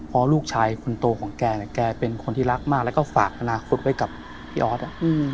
เพราะลูกชายคนโตของแกเนี่ยแกเป็นคนที่รักมากแล้วก็ฝากอนาคตไว้กับพี่ออส